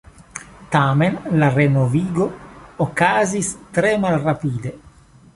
Tamen la renovigo okazis tre malrapide.